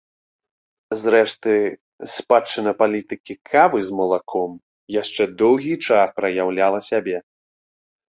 Зрэшты, спадчына палітыкі кавы з малаком яшчэ доўгі час праяўляла сябе.